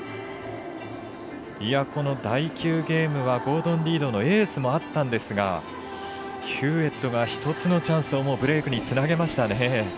この第９ゲームはゴードン・リードのエースもあったんですがヒューウェットが１つのチャンスをブレークにつなげましたね。